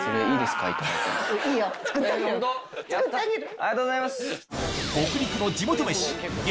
ありがとうございます。